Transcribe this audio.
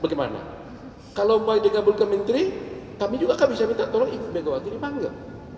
bagaimana kalau mau dikabul ke menteri kami juga kan bisa minta tolong ibu megawati dipanggil